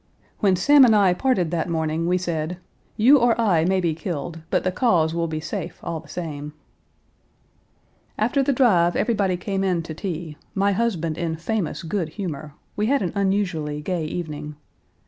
"When Sam and I parted that morning, we said: 'You or I may be killed, but the cause will be safe all the same.' " After the drive everybody came in to tea, my husband in famous good humor, we had an unusually gay evening.